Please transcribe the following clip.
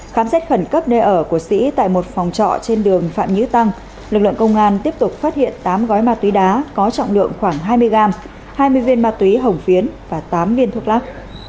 khám xét khẩn cấp nơi ở của sĩ tại một phòng trọ trên đường phạm nghĩa tăng lực lượng công an tiếp tục phát hiện tám gói ma túy đá có trọng lượng khoảng hai mươi gram hai mươi viên ma túy hồng phiến và tám viên thuốc lắc